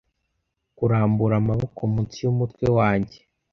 kurambura amaboko munsi y'umutwe wanjye